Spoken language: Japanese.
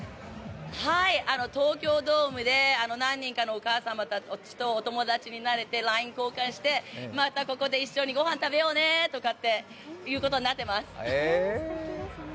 東京ドームで何人かのお母様たちとお友達になれて、ＬＩＮＥ交換してまたここでご飯食べようねみたいなことになってます。